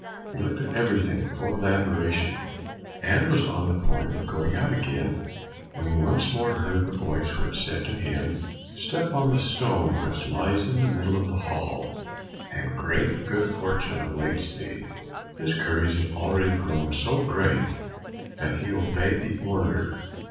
He looked at everything full of admiration, and was on the point of going out again, when he once more heard the voice which said to him, "Step on the stone which lies in the middle of the hall, and great good fortune awaits thee." His courage had already grown so great that he obeyed the order.